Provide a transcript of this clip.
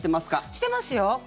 してますよ。